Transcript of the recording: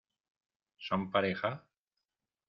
¿Son pareja?